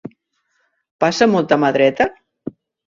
Passa molta mà dreta?